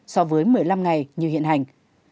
so với một mươi năm ngày như hiện hành